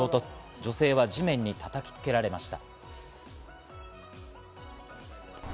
女性は地面に叩きつけられました。